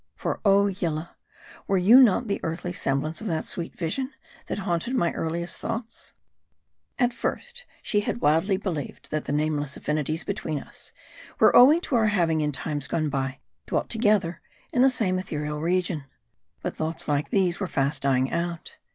For oh, Yillah ; were you not the earthly semblance of that sweet vision, that haunted my earliest thoughts ? At first she had wildly believed, that the nameless affini ties between us, were owing to our having in times gone by dwelt together in the same ethereal region. But thoughts like these were fast dying out.